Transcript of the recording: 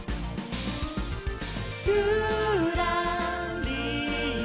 「ぴゅらりら」